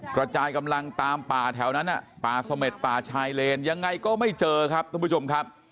กระจายกำลังตามป่าแถวนั้นป่าสเม็ดป่าชายเลนยังไงก็ไม่เจอครับท่านผู้ชมครับ